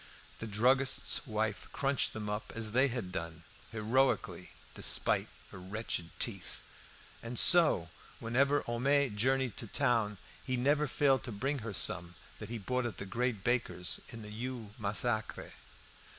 The druggist's wife crunched them up as they had done heroically, despite her wretched teeth. And so whenever Homais journeyed to town, he never failed to bring her home some that he bought at the great baker's in the Rue Massacre.